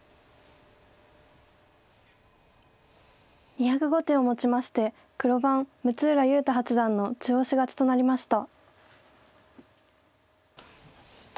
２０５手をもちまして黒番六浦雄太八段の中押し勝ちとなりました。